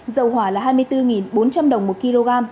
dầu hỏa là hai mươi bốn bốn trăm linh đồng một kg